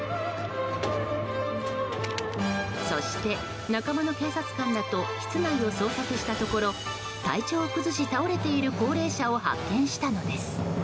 そして、仲間の警察官らと室内を捜索したところ体調を崩し、倒れている高齢者を発見したのです。